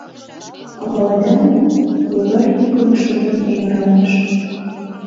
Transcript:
— А паледа мо... — логар йӱкын шыдын эҥыралтыш.